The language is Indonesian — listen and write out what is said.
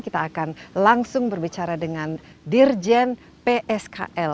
kita akan langsung berbicara dengan dirjen pskl